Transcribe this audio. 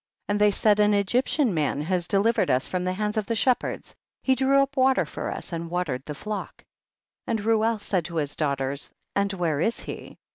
18. And they said, an Egyptian man has delivered us from the hands of the shepherds, he drew up water for us and watered the flock. 19. And Reuel said to his daugh ters, and where is he